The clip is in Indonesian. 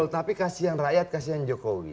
tapi kasian rakyat kasihan jokowi